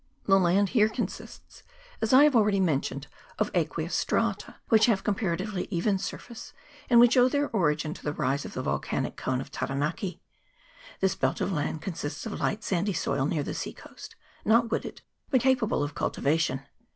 The land here consists, as I have already mentioned, of aqueous strata, which have a comparatively even surface, and which owe their origin to the rise of the volcanic CHAP. X.] COOK'S STRAITS. 189 cone of Taranaki. This belt of land consists of light sandy soil near the sea coast, not wooded, but capable of cultivation.